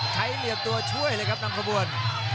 เหลี่ยมตัวช่วยเลยครับนำขบวน